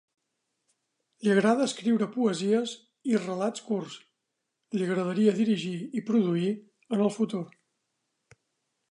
Li agrada escriure poesies i relats curts, li agradaria dirigir i produir en el futur.